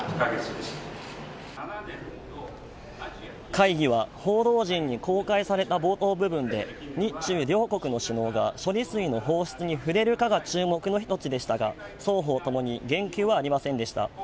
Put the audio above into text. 会議は報道陣に公開された冒頭部分で日中両国の首脳が処理水の放出に触れるかが注目の１つでしたが双方共に言及はありませんでした。